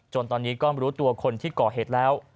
ตอนนี้ก็รู้ตัวคนที่ก่อเหตุแล้ว